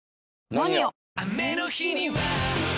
「ＮＯＮＩＯ」！